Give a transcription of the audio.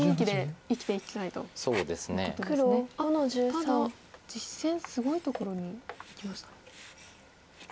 ただ実戦すごいところにいきましたね。